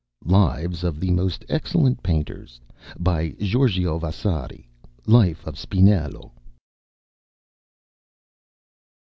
Lives of the most Excellent Painters, by Giorgio Vasari. "Life of Spinello."